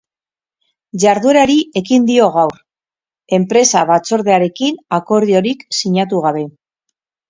Jarduerari ekin dio gaur, enpresa batzordearekin akordiorik sinatu gabe.